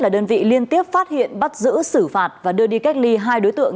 đơn vị liên tiếp phát hiện bắt giữ xử phạt và đưa đi cách ly hai đối tượng